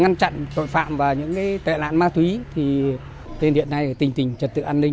ngăn chặn tội phạm và những tệ nạn ma túy thì tên hiện nay là tình tình trật tự an ninh